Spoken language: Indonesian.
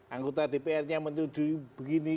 anggota dprnya menuju begini